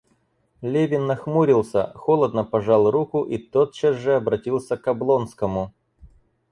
Левин нахмурился, холодно пожал руку и тотчас же обратился к Облонскому.